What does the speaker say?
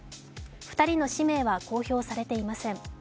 ２人の氏名は公表されていません。